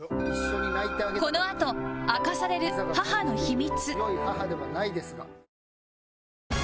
このあと明かされる母の秘密